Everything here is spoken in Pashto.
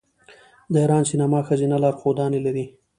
د ایران سینما ښځینه لارښودانې لري.